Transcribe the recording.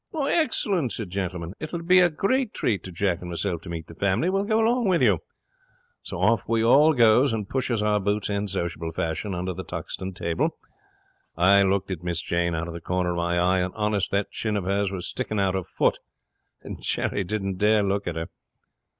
"Excellent," said Gentleman. "It will be a great treat to Jack and myself to meet the family. We will go along with you." So off we all goes, and pushes our boots in sociable fashion under the Tuxton table. I looked at Miss Jane out of the corner of my eye; and, honest, that chin of hers was sticking out a foot, and Jerry didn't dare look at her.